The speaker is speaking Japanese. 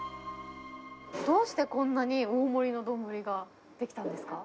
どうしてこんなに大盛りの丼が出来たんですか？